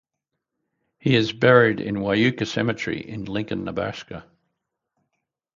He is buried in Wyuka Cemetery, in Lincoln, Nebraska.